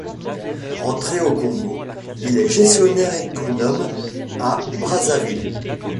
Rentré au Congo il est gestionnaire économe à Brazzaville.